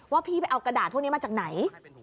พี่ไปเอากระดาษพวกนี้มาจากไหน